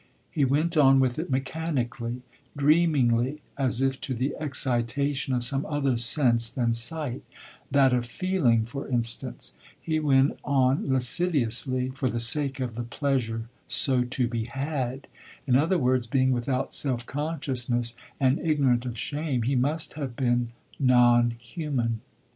He went on with it mechanically, dreamingly, as if to the excitation of some other sense than sight, that of feeling, for instance. He went on lasciviously, for the sake of the pleasure so to be had. In other words, being without self consciousness and ignorant of shame, he must have been non human.